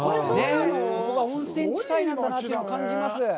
ここは温泉地帯なんだなというのを感じます。